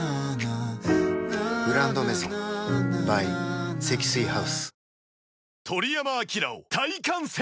「グランドメゾン」ｂｙ 積水ハウス